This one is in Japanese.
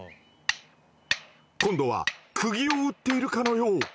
今度はクギを打っているかのよう。